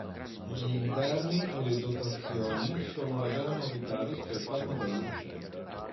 Gli interni e le dotazioni sono la vera novità rispetto al modello uscente.